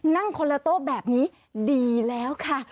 นั่งคนละโต๊ะแบบนี้ดีแล้วค่ะ